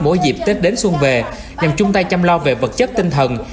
mỗi dịp tết đến xuân về nhằm chung tay chăm lo về vật chất tinh thần